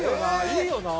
いいよな。